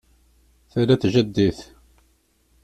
Tala n tjaddit